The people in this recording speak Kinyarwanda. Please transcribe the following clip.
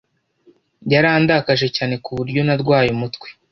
Yarandakaje cyane ku buryo narwaye umutwe.